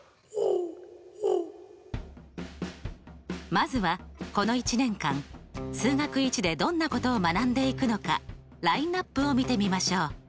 まずはこの一年間数学Ⅰでどんなことを学んでいくのかラインナップを見てみましょう。